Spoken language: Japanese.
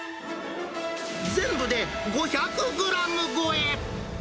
全部で５００グラム超え。